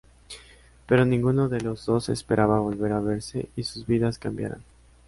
Pero ninguno de los dos esperaba volver a verse y sus vidas cambiaran.